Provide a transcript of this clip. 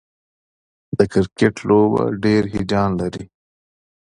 د کرکټ لوبه ډېره هیجان لري.